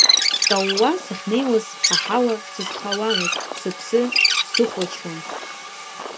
Скаууа сахьнеиуаз, аҳауа сызхауамызт, сыԥсы сыхәлачуан.